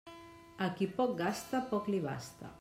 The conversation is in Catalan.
A qui poc gasta, poc li basta.